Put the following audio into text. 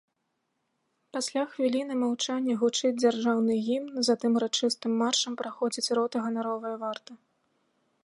Пасля хвіліны маўчання гучыць дзяржаўны гімн, затым урачыстым маршам праходзіць рота ганаровай варты.